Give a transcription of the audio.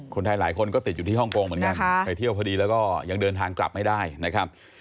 หลายคนก็ติดอยู่ที่ฮ่องกงเหมือนกันไปเที่ยวพอดีแล้วก็ยังเดินทางกลับไม่ได้นะครับ